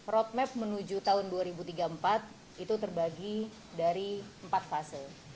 roadmap menuju tahun dua ribu tiga puluh empat itu terbagi dari empat fase